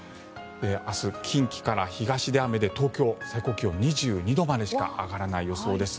明日、近畿から東で雨で東京、最高気温２２度までしか上がらない予想です。